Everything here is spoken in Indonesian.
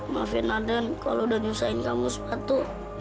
maafin aden kalau udah nusahin kamu sepatu